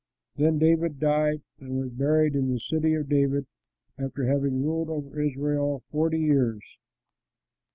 Then David died and was buried in the City of David, after having ruled over Israel forty years.